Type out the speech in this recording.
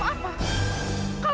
kamu perempuan macam apa